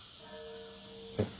えっ。